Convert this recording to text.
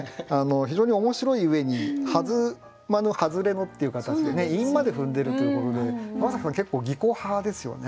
非常に面白い上に「はずまぬ」「はずれの」っていう形で韻まで踏んでるということで山崎さん結構技巧派ですよね。